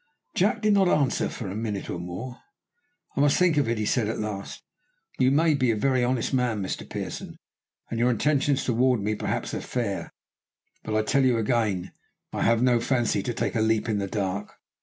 Jack did not answer for a minute or more. "I must think of it," he said at last. "You may be a very honest man, Mr Pearson, and your intentions towards me perhaps are fair, but I tell you again, I have no fancy to take a leap in the dark.